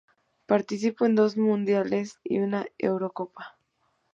Participó en dos Mundiales y una Eurocopa.